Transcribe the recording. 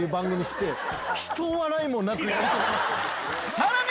さらに！